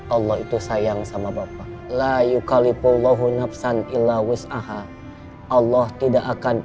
allah itu sayang sama bapak layu kali pulau nafsan ilawisaha allah tidak akan